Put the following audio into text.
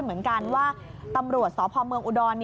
เหมือนกันว่าตำรวจสพเมืองอุดร